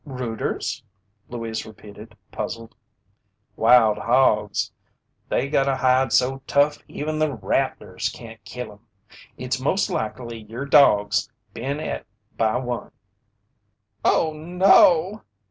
"Rooters?" Louise repeated, puzzled. "Wild hogs. They got a hide so tough even the rattlers can't kill 'em. It's most likely yer dogs been et by one." "Oh, no!"